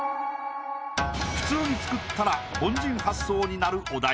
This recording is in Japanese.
普通に作ったら凡人発想になるお題